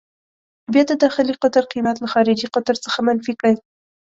بیا د داخلي قطر قېمت له خارجي قطر څخه منفي کړئ.